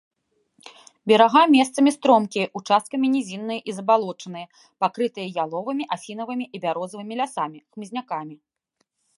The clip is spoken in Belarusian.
Берага месцамі стромкія, участкамі нізінныя і забалочаныя, пакрытыя яловымі, асінавымі і бярозавымі лясамі, хмызнякамі.